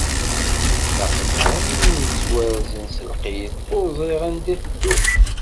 Aql-i am win yettwarzen s lqid, ur ẓriɣ anda i tedduɣ.